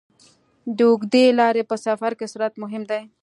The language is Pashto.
د اوږدې لارې په سفر کې سرعت مهم دی.